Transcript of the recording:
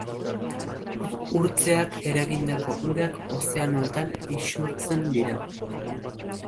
Urtzeak eragindako urak ozeanoetan isurtzen dira.